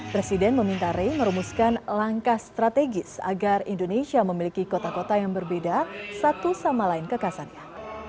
presiden meminta rey merumuskan langkah strategis agar indonesia memiliki kota kota yang berbeda satu sama lain kekasannya